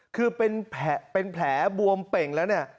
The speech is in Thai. คือเป็นแผลเป็นแผลบวมเป่งแล้วนะ